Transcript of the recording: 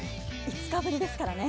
５日ぶりですからね。